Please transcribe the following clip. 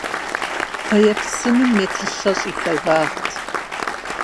Фэеплъ сыным метр щэщӏ и лъагагът.